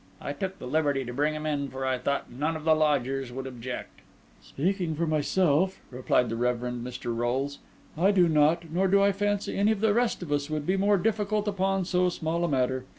I took the liberty to bring him in, for I thought none of the lodgers would object." "Speaking for myself," replied the Reverend Mr. Rolles, "I do not; nor do I fancy any of the rest of us would be more difficult upon so small a matter.